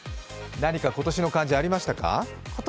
何か今年の漢字ありましたか？